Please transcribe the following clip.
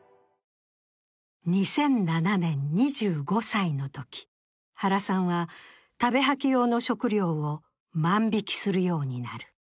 ２００７年、２５歳のとき、原さんは食べ吐き用の食料を万引きするようになる。